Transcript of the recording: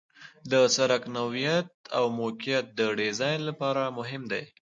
د سرک نوعیت او موقعیت د ډیزاین لپاره مهم دي